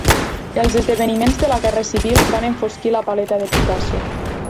Els esdeveniments de la guerra civil van enfosquir la paleta de Picasso.